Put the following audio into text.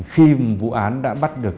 khi vụ án đã bắt được